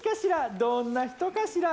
どんな人かしら？